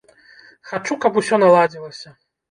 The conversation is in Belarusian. Хачу, каб усё наладзілася.